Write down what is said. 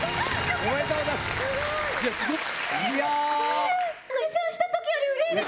おめでとうございます。